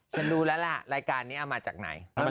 ฉันรู้แล้วล่ะรายการนี้เอามาจากไหน